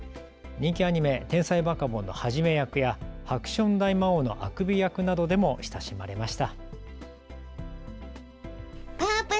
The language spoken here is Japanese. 人気アニメ、天才バカボンのハジメ役やハクション大魔王のアクビ役などでも親しまれました。